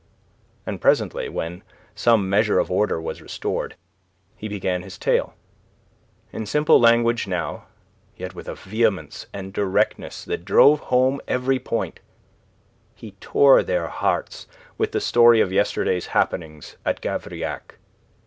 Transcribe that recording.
And presently, when some measure of order was restored, he began his tale. In simple language now, yet with a vehemence and directness that drove home every point, he tore their hearts with the story of yesterday's happenings at Gavrillac.